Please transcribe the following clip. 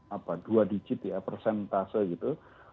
apa dua digit ya persentase gitu